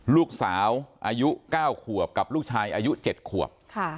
ลูกสาวอายุ๙ขวบกับลูกชายอายุ๗ขวบ